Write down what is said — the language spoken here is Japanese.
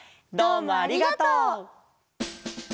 どうもありがとう！